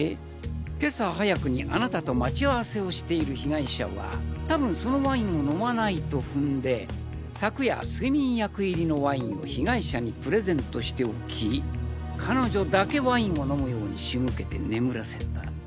今朝早くにあなたと待ち合わせをしている被害者は多分そのワインを飲まないと踏んで昨夜睡眠薬入りのワインを被害者にプレゼントしておき彼女だけワインを飲むように仕向けて眠らせた。